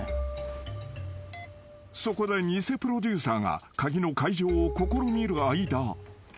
［そこで偽プロデューサーが鍵の解錠を試みる間］